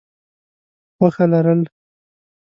خوښه لرل: